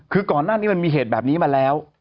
คือก่อนหน้านี้มันมีเหตุแบบนี้มาแล้ว